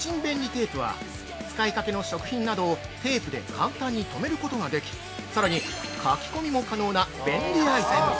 テープは使いかけの食品などをテープで簡単に留めることができさらに、書き込みも可能な便利アイテム。